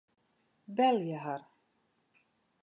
Belje har.